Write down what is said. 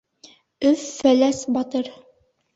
Өф-Фәләс батыр